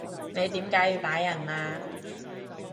你點解要打人啊？